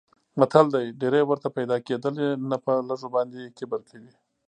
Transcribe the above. متل دی: ډېرې ورته پیدا کېدلې نه په لږو باندې کبر کوي.